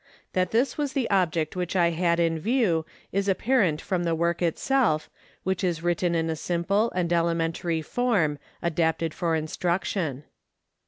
That this was the object which I had in view is apparent from the work itself, which is written in a simple and elementary form, adapted for instruction.